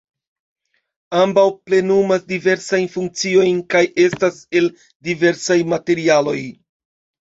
Ambaŭ plenumas diversajn funkciojn kaj estas el diversaj materialoj.